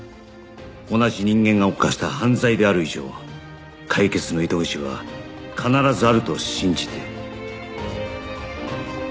同じ人間が犯した犯罪である以上解決の糸口は必ずあると信じて